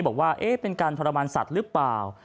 บอกว่าเป็นการทรมานสัตว์หรือเปล่า